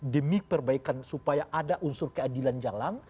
demi perbaikan supaya ada unsur keadilan jalan